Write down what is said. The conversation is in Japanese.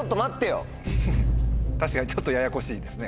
確かにちょっとややこしいですね